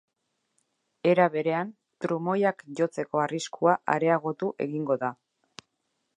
Era berean, trumoiak jotzeko arriskua areagotu egingo da.